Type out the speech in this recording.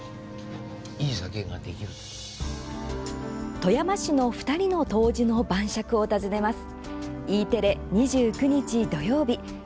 富山市の２人の杜氏の晩酌を訪ねます。